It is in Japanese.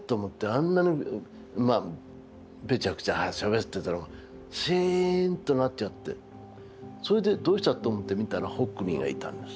あんなにまあぺちゃくちゃしゃべってたのがシーンとなっちゃってそれでどうした？と思って見たらホックニーがいたんです。